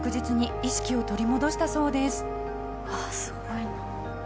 すごいな。